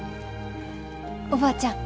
おばあちゃん。